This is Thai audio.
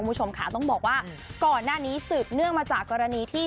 คุณผู้ชมค่ะต้องบอกว่าก่อนหน้านี้สืบเนื่องมาจากกรณีที่